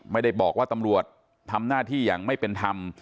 ไม่ได้บอกว่าตำรวจทำหน้าที่อย่างไม่เป็นธรรม